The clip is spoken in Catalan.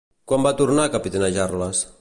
Quan va tornar a capitanejar-les?